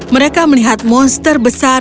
mereka melihat monster besar